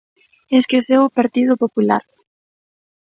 Esqueceu o Partido Popular.